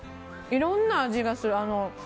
いろんな味がする。